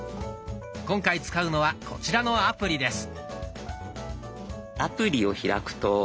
今回使うのはこちらのアプリです。